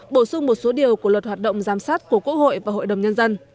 bổ sung một số điều của luật hoạt động giám sát của quốc hội và hội đồng nhân dân